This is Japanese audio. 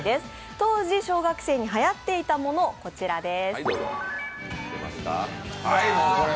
当時小学生に、はやっていたもの、こちらです。